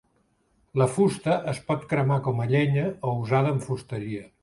La fusta es pot cremar com a llenya o usada en fusteria.